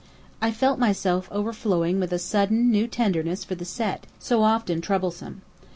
I felt myself overflowing with a sudden, new tenderness for the Set, so often troublesome.